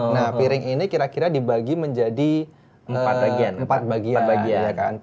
nah piring ini kira kira dibagi menjadi empat bagian